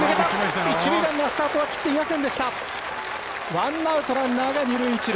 ワンアウト、ランナーが二塁、一塁。